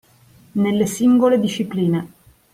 Nelle singole discipline